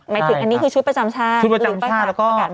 หมายถึงอันนี้คือชุดประจำชาติชุดประจำ